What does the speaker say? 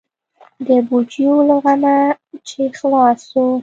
د پوجيو له غمه چې خلاص سو.